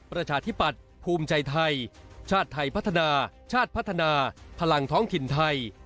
ประชาธิปัตย์ภูมิใจไทยชาติไทยพัฒนาชาติพัฒนาพลังท้องถิ่นไทย